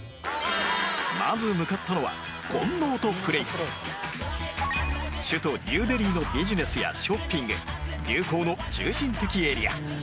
まず向かったのは首都ニューデリーのビジネスやショッピング流行の中心的エリア